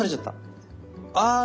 あ！